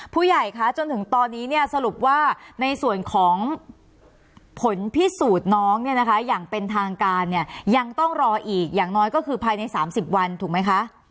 ผู้ใหญ่คะจนถึงตอนนี้เนี่ยสรุปว่าในส่วนของผลพิสูจน์น้องเนี่ยนะคะอย่างเป็นทางการเนี่ยยังต้องรออีกอย่างน้อยก็คือภายใน๓๐วันถูกไหมคะ